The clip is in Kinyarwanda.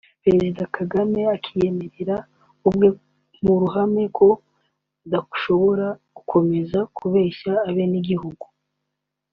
President Kagame akiyemerera ubwe mu ruhame ko adashobora gukomeza kubeshya abenegihugu